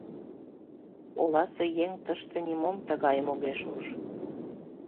Оласе еҥ тыште нимом тыгайым огеш уж.